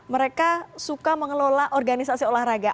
mereka suka mengelola organisasi olahraga